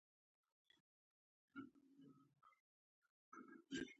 خاموشي، د زړه سکون دی.